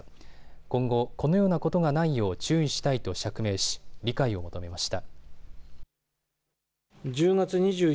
今後、このようなことがないよう注意したいと釈明し理解を求めました。